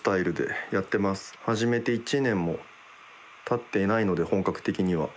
始めて１年もたっていないので本格的には。